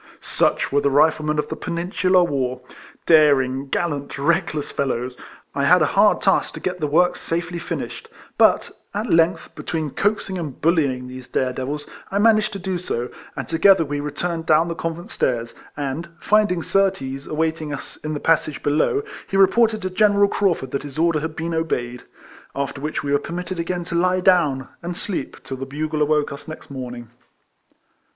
Such were the Riflemen of the Peninsular War, — daring, gallant, reckless fellows. I had a hard task to get the work safely finished; but, at length, between coaxing and bullying these dare devils, I managed to do so, and together we returned down the convent stairs; and, finding Surtees awaiting us in the passage below, he re ported to General Craufurd that his order had been obeyed. After which we were permitted again to lie down, and sleep till the bugle awoke us next morning.